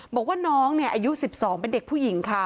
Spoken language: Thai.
บอกว่าน้องอายุ๑๒เป็นเด็กผู้หญิงค่ะ